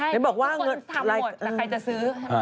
ใช่ทุกคนทำหมดแต่ใครจะซื้อบอกว่า